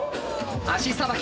足さばき！